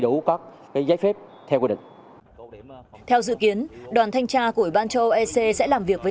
đủ các giấy phép theo quy định theo dự kiến đoàn thanh tra của ủy ban châu âu ec sẽ làm việc với